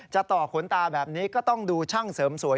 ต่อขนตาแบบนี้ก็ต้องดูช่างเสริมสวย